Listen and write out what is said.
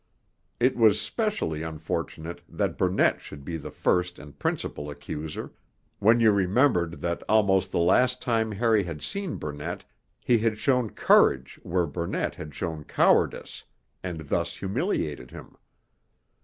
It was specially unfortunate that Burnett should be the first and principal accuser, when you remembered that almost the last time Harry had seen Burnett he had shown courage where Burnett had shown cowardice, and thus humiliated him.